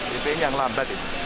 tpi yang lambat ini